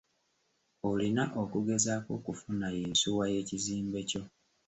Olina okugezaako okufuna yinsuwa y'ekizimbe kyo.